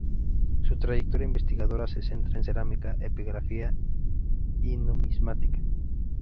Su trayectoria investigadora se centra en cerámica, epigrafía y numismática.